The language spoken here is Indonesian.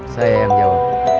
saya yang jawab